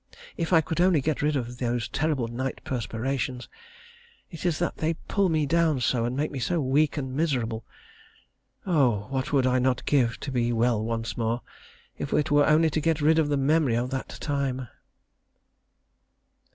If I could only get rid of those terrible night perspirations. It is they that pull me down so, and make me so weak and miserable. Oh! what would I not give to be well once more, if it were only to get rid of the memory of that time.